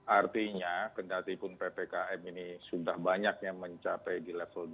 artinya kena hati pun ppkm ini sudah banyak yang mencapai di level dua